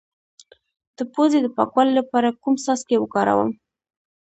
د پوزې د پاکوالي لپاره کوم څاڅکي وکاروم؟